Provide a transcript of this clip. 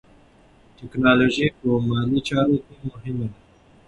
ټیکنالوژي په مالي چارو کې مهمه ده.